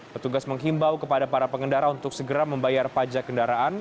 petugas menghimbau kepada para pengendara untuk segera membayar pajak kendaraan